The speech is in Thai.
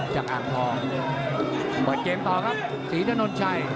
จากอังทธรเปิดเกมต่อครับศรีดะนนท์ชัย